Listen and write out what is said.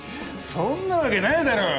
そんなわけないだろう。